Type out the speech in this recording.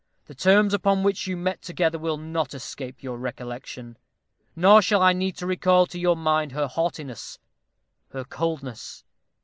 The terms upon which you met together will not escape your recollection; nor shall I need to recall to your mind her haughtiness, her coldness.